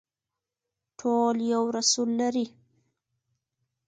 ټول یو رسول لري